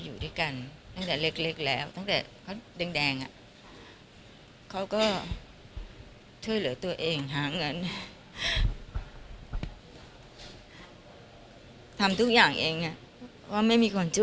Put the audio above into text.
อยากจะที่วางแผนทำธุรกิจ